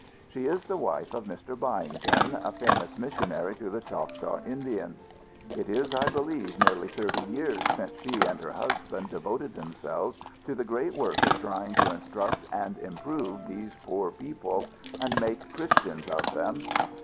She is the wife of Mr. Byington, a famous missionary to the Choctaw Indians. It is, I believe, nearly thirty years since she and her husband devoted themselves to the great work of trying to instruct and improve those poor people, and make Christians of them.